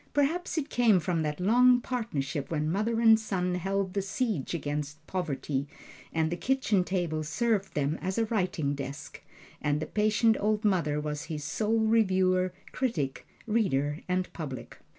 Perhaps it came from that long partnership when mother and son held the siege against poverty, and the kitchen table served them as a writing desk, and the patient old mother was his sole reviewer, critic, reader and public.